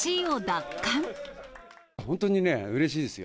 本当にね、うれしいですよ。